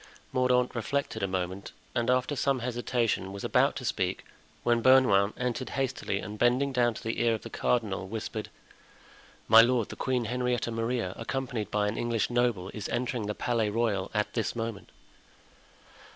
Mordaunt reflected a moment and, after some hesitation, was about to speak, when Bernouin entered hastily and bending down to the ear of the cardinal, whispered: "My lord, the Queen Henrietta Maria, accompanied by an English noble, is entering the Palais Royal at this moment."